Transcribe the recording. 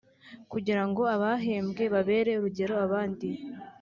kugira ngo abahembwe babere urugero abandi